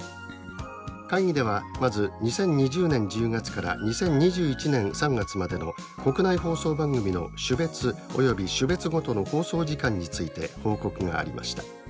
会議ではまず２０２０年１０月から２０２１年３月までの国内放送番組の種別および種別ごとの放送時間について報告がありました。